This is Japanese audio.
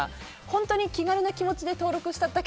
本当に気軽な気持ちでしてるで！